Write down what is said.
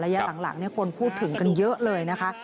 ระยะหลังคนพูดถึงกันเยอะเลยนะคะ